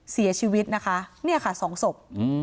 เสียชีวิตนะคะนี่ค่ะ๒ศพ